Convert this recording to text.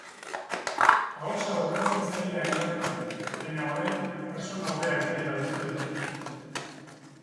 Ahotsa urratzen zaie hainbatetan, baina orain pertsona hobeak direla uste dute.